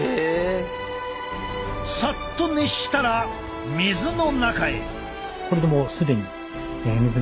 さっと熱したら水の中へ。